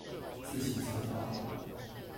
自行車道